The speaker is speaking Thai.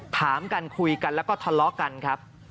ถามกันคุยกันแล้วก็ทะเลาะกันครับ